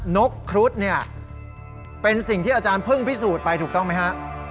นกครุฑเนี่ยเป็นสิ่งที่อาจารย์เพิ่งพิสูจน์ไปถูกต้องไหมฮะ